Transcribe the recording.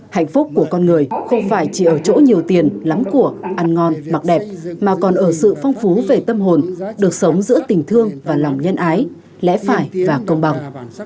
hạnh phúc của con người không phải chỉ ở chỗ nhiều tiền lắm của ăn ngon mặc đẹp mà còn ở sự phong phú về tâm hồn được sống giữa tình thương và lòng nhân ái lẽ phải và công bằng